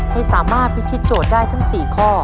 ให้สามารถพิชิตโจทย์ได้ทั้ง๔ข้อ